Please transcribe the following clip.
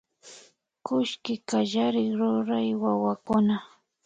Kullki kallarik rurya wawakuna